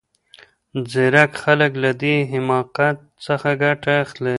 ځیرک خلګ له دې حماقت څخه ګټه اخلي.